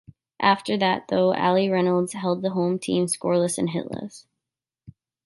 After that, though, Allie Reynolds held the home team scoreless and hitless.